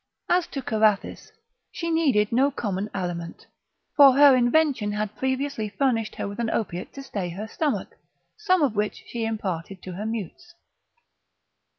As to Carathis, she needed no common aliment, for her invention had previously furnished her with an opiate to stay her stomach, some of which she imparted to her mutes.